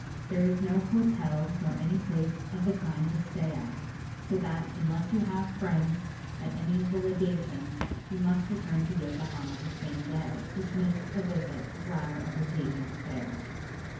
There is no hotel nor any place of the kind to stay at; so that, unless you have friends at any of the Legations, you must return to Yokohama the same day, which makes a visit rather a fatiguing affair.